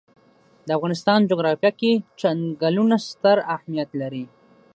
د افغانستان جغرافیه کې چنګلونه ستر اهمیت لري.